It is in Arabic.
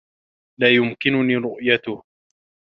لا يمكنني رؤيته.